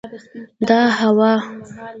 دا هوا